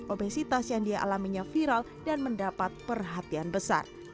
obesitas yang dia alaminya viral dan mendapat perhatian besar